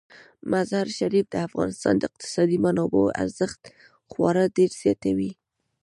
مزارشریف د افغانستان د اقتصادي منابعو ارزښت خورا ډیر زیاتوي.